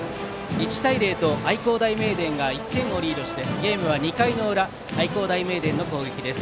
１対０と愛工大名電が１点をリードしてゲームは２回の裏愛工大名電の攻撃です。